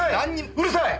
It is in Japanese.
うるさい！